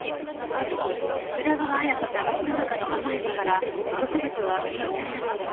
でも宇田川綾子さんの胃の中の甘エビから毒物は検出されなかったわ。